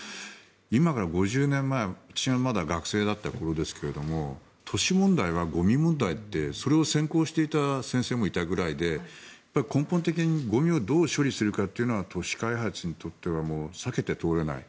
今から５０年前私がまだ学生だった頃ですけども都市問題はゴミ問題ってそれを選考していた先生もいたくらいで根本的にゴミをどう処理するかというのは都市開発においては避けて通れない。